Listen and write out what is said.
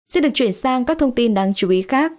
xin được chuyển sang các thông tin đáng chú ý khác